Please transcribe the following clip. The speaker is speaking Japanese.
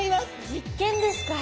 実験ですか？